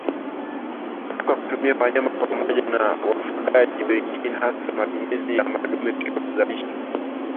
Epuka kutumia wanyama pamoja na wafugaji wengine hasa matumizi ya madume katika kuzalisha